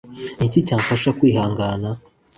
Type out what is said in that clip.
Ni iki cyamfasha kwihangana?